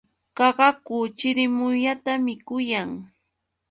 Qaqaku chirimuyata mikuyan.